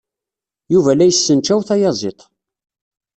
Yuba la yessencaw tayaziḍt.